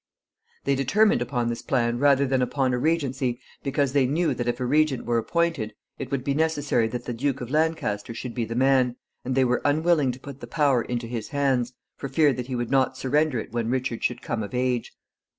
They determined upon this plan rather than upon a regency because they knew that if a regent were appointed it would be necessary that the Duke of Lancaster should be the man, and they were unwilling to put the power into his hands, for fear that he would not surrender it when Richard should come of age.